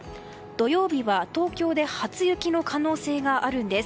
土曜日は東京で初雪の可能性があるんです。